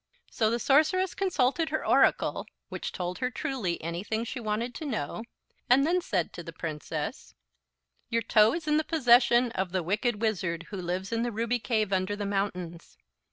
So the sorceress consulted her Oracle, which told her truly anything she wanted to know, and then said to the Princess: "Your toe is in the possession of the Wicked Wizard who lives in the ruby cave under the mountains.